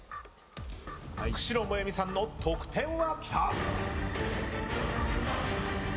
久代萌美さんの得点は？